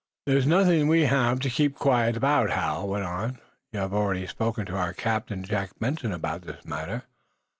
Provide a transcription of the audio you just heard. "There's nothing we have to keep quiet about," Hal went on. "You have already spoken to our captain, Jack Benson, about this matter."